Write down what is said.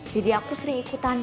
jadi aku sering ikutan